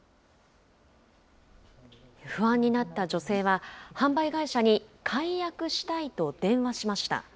不安になった女性は、販売会社に解約したいと電話しました。